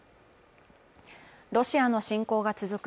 ロシアの侵攻が続く